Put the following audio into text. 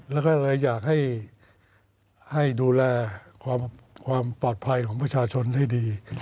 แล้วก็เลยอยากให้ดูแลความปลอดภัยของประชาชนให้ดี